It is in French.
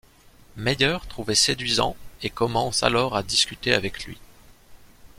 Meier trouvait séduisant et commence alors à discuter avec lui.